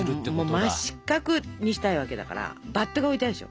真四角にしたいわけだから。バットが置いてあるでしょ。